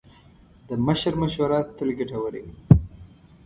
د مشر مشوره تل ګټوره وي.